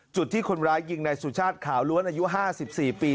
จุดที่คนร้ายยิงในสุชาติขาวล้วนอายุ๕๔ปี